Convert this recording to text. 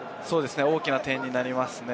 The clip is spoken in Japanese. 大きな得点になります。